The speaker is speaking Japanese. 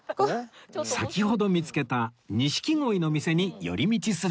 先ほど見つけた錦鯉の店に寄り道する事に